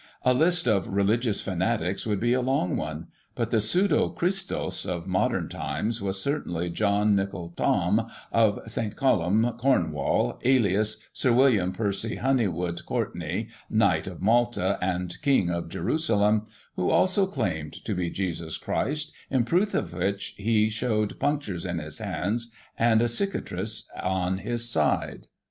A list of religious fanatics would be a long one, but the pseudo C hristos of modem times was, certainly, John NichoU Thom, of St. Columb, Comwall, alias Sir William Percy Honeywood Courtenay, Knight of Malta, and King of Jerusalem ; who also claimed to be Jesus Christ, in proof of which he shewed punctures in his hands, and a cicatrice on his side.